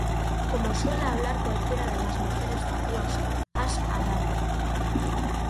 Como suele hablar cualquiera de las mujeres fatuas, has hablado.